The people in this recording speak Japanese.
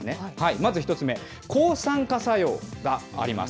まず１つ目、抗酸化作用があります。